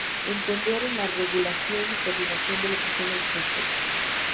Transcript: Entender en la regulación y coordinación de los sistemas de transporte.